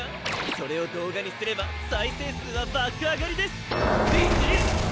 それを動画にすれば再生数は爆上がりです！